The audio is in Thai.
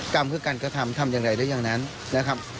กรรมเพื่อการกระทำทำอย่างไรได้อย่างนั้นนะครับ